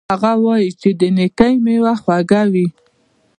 هغه وایي چې د نیکۍ میوه خوږه وي